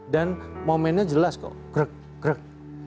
dan momennya jelas kok